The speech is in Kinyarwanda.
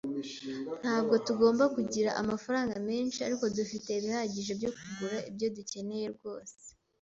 Ntabwo tugomba kugira amafaranga menshi, ariko dufite ibihagije byo kugura ibyo dukeneye rwose.